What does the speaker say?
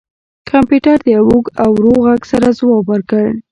کمپیوټر د یو اوږد او ورو غږ سره ځواب ورکړ